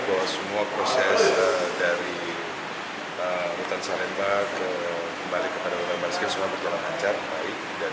bahwa semua proses dari hutan salemba kembali kepada barisnya semua berjalan lancar baik dan